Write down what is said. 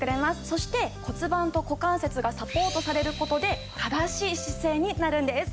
そして骨盤と股関節がサポートされる事で正しい姿勢になるんです。